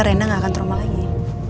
rena gak akan trauma lagi